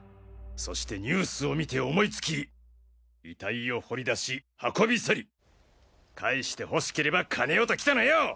そしてニュースを見て思いつき遺体を掘り出し運び去り返して欲しければ金をときたのよ！